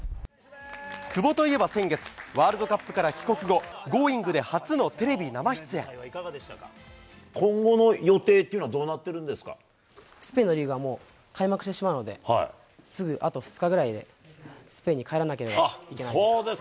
久保といえば先月、ワールドカップから帰国後、Ｇｏｉｎｇ！で初今後の予定っていうのはどうスペインのリーグはもう、開幕してしまうので、すぐあと２日ぐらいで、スペインに帰らなければいけないです。